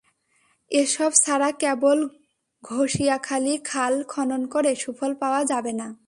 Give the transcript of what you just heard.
এসব ছাড়া কেবল ঘষিয়াখালী খাল খনন করে সুফল পাওয়া যাবে না।